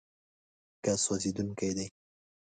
ګاز سوځېدونکی دی.